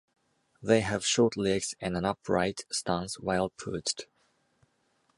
They have short legs and an upright stance while perched.